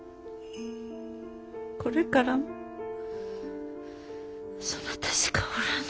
これからもそなたしかおらぬ。